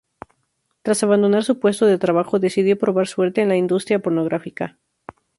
Tras abandonar su puesto de trabajo, decidió probar suerte en la industria pornográfica.